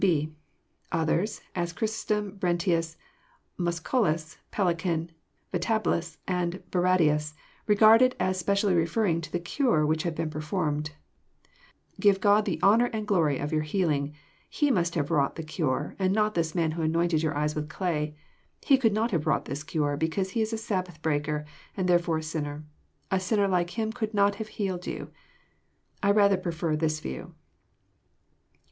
(&) Others, as Chrysostom, Brentius, Musculus, Pellican, Vatablus, and Barradius, regard it as specially referring to the cure which had been performed. Give God the honour and glory of your healing. He must have wrought the cure, and not this man who anointed your eyes with clay. He could not have wrought this cure, because he is a Sabbath breaker, and therefore a sinner. A sinner like Mm could not have healed you." I rather prefer this view.